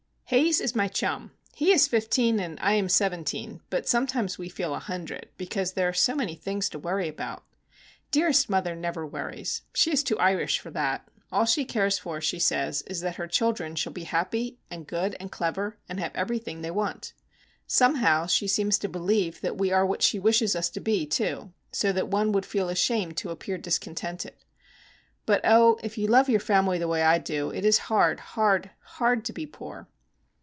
Haze is my chum. He is fifteen, and I am seventeen; but sometimes we feel a hundred, because there are so many things to worry about. Dearest mother never worries. She is too Irish for that;—all she cares for, she says, is that her children shall be happy, and good, and clever, and have everything they want. Somehow she seems to believe that we are what she wishes us to be, too,—so that one would feel ashamed to appear discontented. But, oh, if you love your family the way I do, it is hard, hard, hard to be poor!